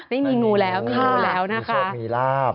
ไม่มีงูแล้วค่ะมีโชคมีลาบ